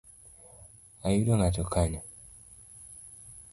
Oyudo ng’ato kanyo?